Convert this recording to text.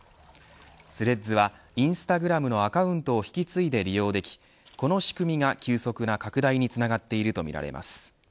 スレッズは、インスタグラムのアカウントを引き継いで利用できこの仕組みが急速な拡大につながっているとみられます。